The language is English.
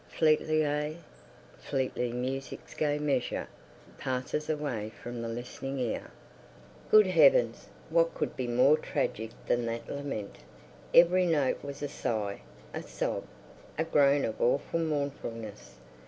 Fleetly! Ah, Fleetly Mu u sic's Gay Measure Passes away from the Listening Ear. Good Heavens, what could be more tragic than that lament! Every note was a sigh, a sob, a groan of awful mournfulness.